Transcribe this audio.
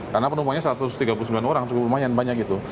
karena penumpangnya satu ratus tiga puluh sembilan orang cukup lumayan banyak itu